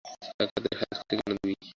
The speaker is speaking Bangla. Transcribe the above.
তাকে এত শাস্তি কেন দিবি?